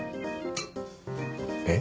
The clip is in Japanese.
えっ？